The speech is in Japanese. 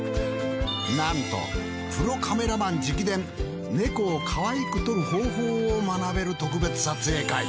なんとプロカメラマン直伝ネコをかわいく撮る方法を学べる特別撮影会。